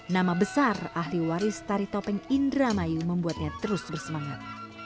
nama besar ahli waris tari topeng indramayu membuatnya terus bersemangat